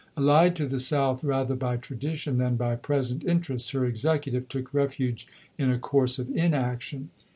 ^ Allied to the South rather by tradition than by present interest, her executive took refuge in a course of inaction.